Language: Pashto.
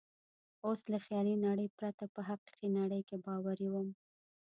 اوس له خیالي نړۍ پرته په حقیقي نړۍ کې باوري وم.